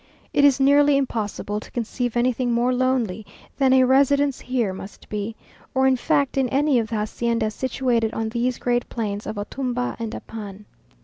It is nearly impossible to conceive anything more lonely than a residence here must be; or in fact in any of the haciendas situated on these great plains of Otumha and Apan.